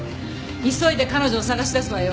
急いで彼女を捜し出すわよ。